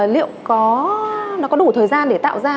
liệu nó có đủ thời gian để tạo ra